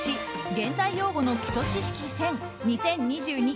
「現代用語の基礎知識」選２０２２